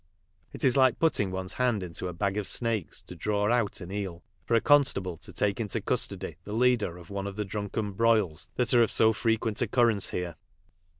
It is like putting one's hand into a bag of snakes to draw out an eel, for a constable to take into custody the leader of one of the drunken broils that are o* so frequent occurrence here.